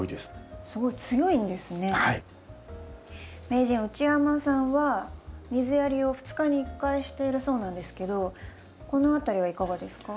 名人内山さんは水やりを２日に１回しているそうなんですけどこの辺りはいかがですか？